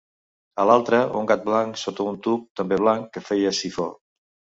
A l'altre, un gat blanc sota un tub, també blanc, que feia sifó.